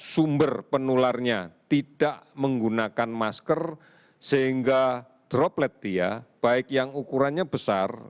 sumber penularnya tidak menggunakan masker sehingga droplet dia baik yang ukurannya besar